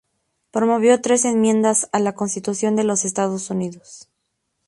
Promovió tres enmiendas a la Constitución de los Estados Unidos.